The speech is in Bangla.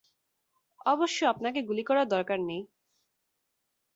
অবশ্য, আপনাকে গুলি করার দরকার নেই।